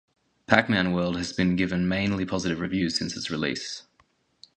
"Pac-Man World" has been given mainly positive reviews since its release.